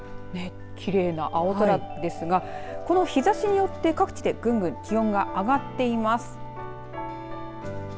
きれいな青空ですがこの日ざしよって各地で気温がぐんぐん上がっています。